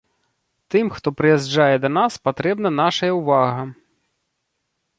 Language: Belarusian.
Тым, хто прыязджае да нас, патрэбная нашая ўвага!